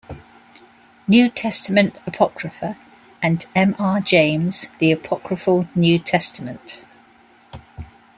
"New Testament Apocrypha"; and M. R. James, "The Apocryphal New Testament".